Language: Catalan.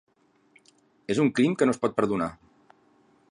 És un crim que no es pot perdonar.